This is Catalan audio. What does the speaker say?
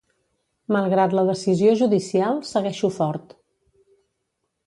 Malgrat la decisió judicial segueixo fort.